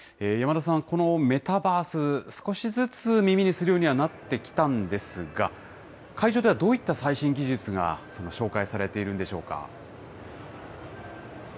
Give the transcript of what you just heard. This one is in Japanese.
山田さん、このメタバース、少しずつ耳にするようにはなってきたんですが、会場ではどういった最新技術が紹介されているんでしょうか？